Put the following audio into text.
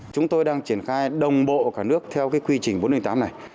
chúng tôi đang triển khai đồng bộ cả nước theo quy trình bốn trăm linh tám này